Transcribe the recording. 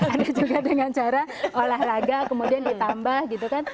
ada juga dengan cara olahraga kemudian ditambah gitu kan